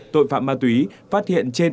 tội phạm ma túy phát hiện trên ba bốn trăm linh